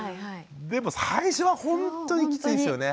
でも最初はほんとにきついですよね。